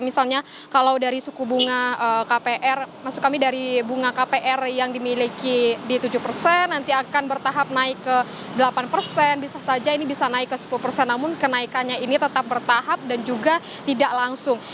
misalnya kalau dari suku bunga kpr maksud kami dari bunga kpr yang dimiliki di tujuh persen nanti akan bertahap naik ke delapan persen bisa saja ini bisa naik ke sepuluh persen namun kenaikannya ini tetap bertahap dan juga tidak langsung